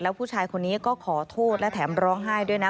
ผู้ชายคนนี้ก็ขอโทษและแถมร้องไห้ด้วยนะ